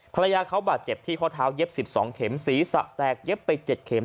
ภรรยาเขาบาดเจ็บที่ข้อเท้าเย็บ๑๒เข็มศีรษะแตกเย็บไป๗เข็ม